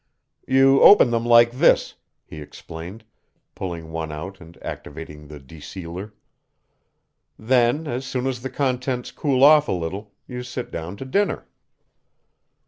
"You open them like this," he explained, pulling one out and activating the desealer. "Then, as soon as the contents cool off a little, you sit down to dinner."